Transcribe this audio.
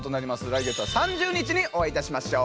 来月は３０日にお会いいたしましょう。